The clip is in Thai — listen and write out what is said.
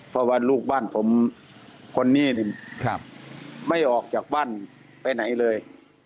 ว่าตอนลูกบ้านผมคนนี้ครับไม่ออกจากบ้านไปไหนเลย